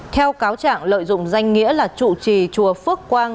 theo cáo trạng lợi dụng danh nghĩa là chủ trì chùa phước quang